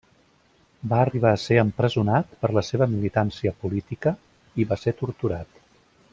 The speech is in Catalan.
Va arribar a ser empresonat per la seva militància política i va ser torturat.